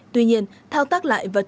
tuy nhiên thao tác lại và chuyển